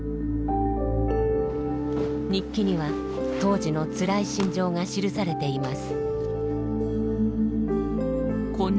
日記には当時のつらい心情が記されています。